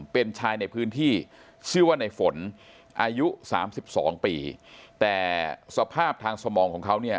เป็นชายในพื้นที่ชื่อว่าในฝนอายุสามสิบสองปีแต่สภาพทางสมองของเขาเนี่ย